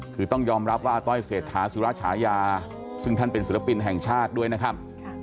คือต้องยอมรับว่าอาต้อยเศรษฐาสุรชายาซึ่งท่านเป็นศิลปินแห่งชาติด้วยนะครับ